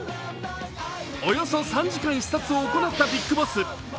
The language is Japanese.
およそ３時間視察を行ったビッグボス。